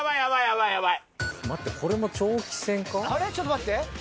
ちょっと待って。